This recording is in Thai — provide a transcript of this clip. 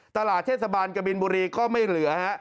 ตลาดเทศบาลกบินบุรีก็ไม่เหลือฮะ